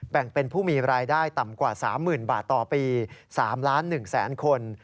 แบ่งเป็นผู้มีรายได้ต่ำกว่า๓๐๐๐บาทต่อปี๓ล้าน๑แสนคน